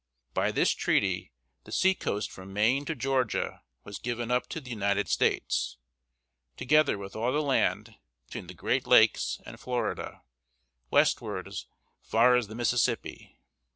By this treaty the seacoast from Maine to Georgia was given up to the United States, together with all the land between the Great Lakes and Florida, westward as far as the Mississippi.